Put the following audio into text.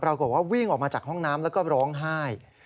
ปรากฏว่าวิ่งออกมาจากห้องน้ำแล้วก็ร้องไห้